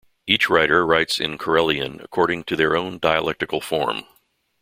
Each writer writes in Karelian according to their own dialectal form.